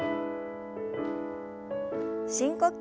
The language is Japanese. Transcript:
深呼吸。